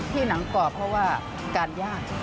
หนังกรอบเพราะว่าการยาก